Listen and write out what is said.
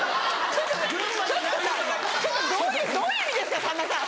ちょっとちょっとどういう意味ですかさんまさん。